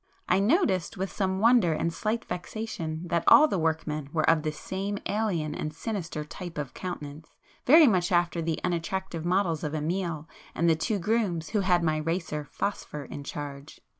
I noted, with some wonder and slight vexation that all the workmen were of this same alien and sinister type of countenance, very much after the unattractive models of Amiel and the two grooms who had my racer 'Phosphor' in charge.